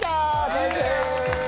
完成！